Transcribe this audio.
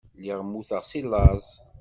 Lliɣ mmuteɣ seg laẓ.